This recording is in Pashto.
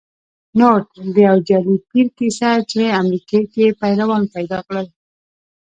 نوټ: د یو جعلې پیر کیسه چې امریکې کې پیروان پیدا کړل